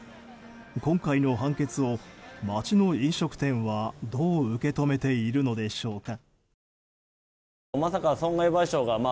今回の判決を街の飲食店はどう受け止めているのでしょうか。